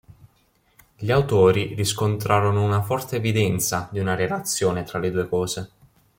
Gli autori riscontrarono una forte evidenza di una relazione tra le due cose.